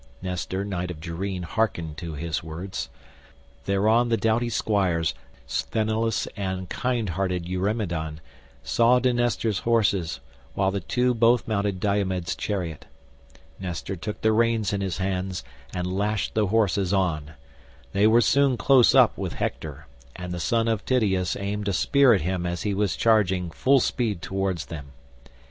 Nestor knight of Gerene hearkened to his words. Thereon the doughty squires, Sthenelus and kind hearted Eurymedon, saw to Nestor's horses, while the two both mounted Diomed's chariot. Nestor took the reins in his hands and lashed the horses on; they were soon close up with Hector, and the son of Tydeus aimed a spear at him as he was charging full speed towards them.